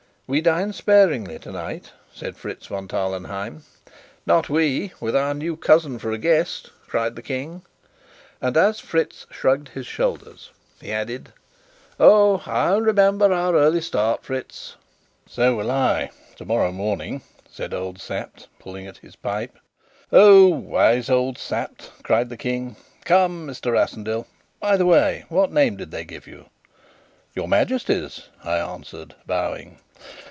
"We dine sparingly tonight," said Fritz von Tarlenheim. "Not we with our new cousin for a guest!" cried the King; and, as Fritz shrugged his shoulders, he added: "Oh! I'll remember our early start, Fritz." "So will I tomorrow morning," said old Sapt, pulling at his pipe. "O wise old Sapt!" cried the King. "Come, Mr. Rassendyll by the way, what name did they give you?" "Your Majesty's," I answered, bowing.